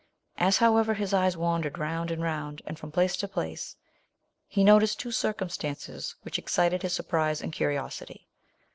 As, however, his eyes wandered round and round, and from place to place, he noticed two circumstances which excited his surprise and curiosity.